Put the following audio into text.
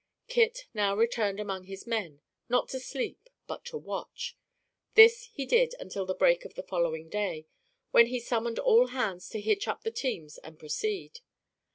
Kit now returned among his men, not to sleep, but to watch. This he did until the break of the following day, when he summoned all hands to hitch up the teams and proceed.